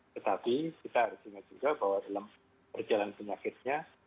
tetapi kita harus ingat juga bahwa dalam perjalanan penyakitnya